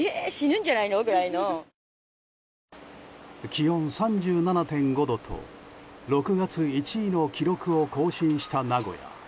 気温３７．５度と６月１位の記録を更新した名古屋。